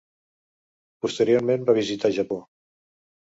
Posteriorment va visitar Japó.